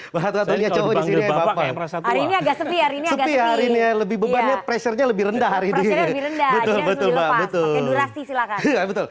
bapak hari ini lebih beban pressure lebih rendah hari ini lebih rendah betul betul